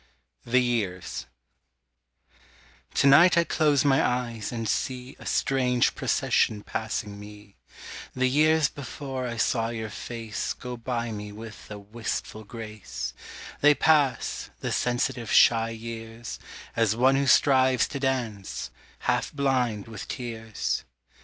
THE YEARS TO NIGHT I close my eyes and see A strange procession passing me The years before I saw your face Go by me with a wistful grace; They pass, the sensitive shy years, As one who strives to dance, half blind with tears.